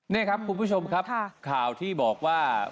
นี่ครับคุณผู้ชมครับข่าวที่บอกว่า